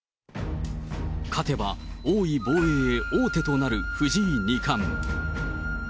勝てば王位防衛へ王手となる藤井二冠。